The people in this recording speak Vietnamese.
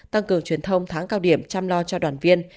tăng cường truyền thông tháng cao điểm chăm lo cho đoàn viên